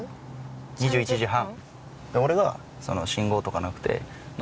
２１時半。